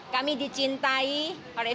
kami dicintai oleh